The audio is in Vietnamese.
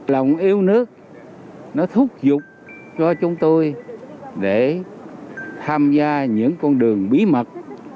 lòng yêu nước nó thúc giục cho chúng tôi để tham gia những con đường bí mật